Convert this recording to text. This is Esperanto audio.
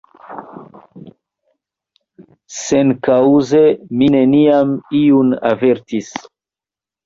Senkaŭze mi neniam iun avertis.